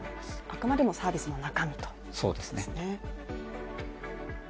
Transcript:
あくまでもサービスの中身ということですね。